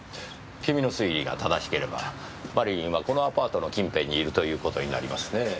君の推理が正しければマリリンはこのアパートの近辺にいるという事になりますねぇ。